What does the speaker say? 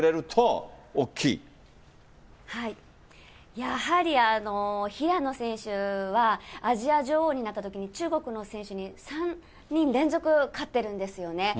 やはり平野選手は、アジア女王になったときに中国の選手に３人連続勝ってるんですよね。